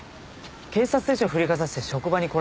警察手帳振りかざして職場に来られても。